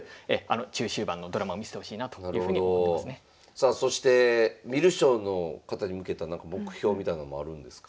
さあそして観る将の方に向けたなんか目標みたいなんもあるんですか？